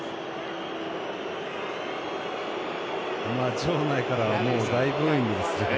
場内からは大ブーイングですね。